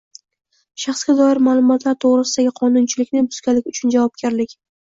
Shaxsga doir ma’lumotlar to‘g‘risidagi qonunchilikni buzganlik uchun javobgarlik